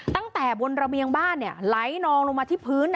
ตั้งแต่บนระเบียงบ้านไหลนองลงมาที่พื้น